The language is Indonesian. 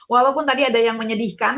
walaupun tadi ada yang menyedihkan